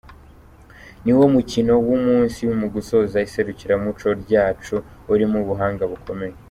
Ni wo mukino w’umunsi mu gusoza iserukiramuco ryacu, urimo ubuhanga bukomeye.